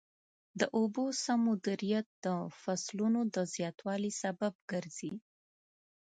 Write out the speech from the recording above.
د اوبو سم مدیریت د فصلونو د زیاتوالي سبب ګرځي.